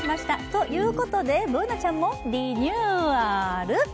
ということで、Ｂｏｏｎａちゃんもリニューアル！